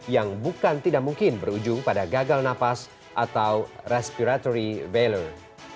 yang bukan tidak mungkin berujung pada gagal nafas atau respiratory value